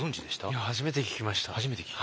いや初めて聞きました。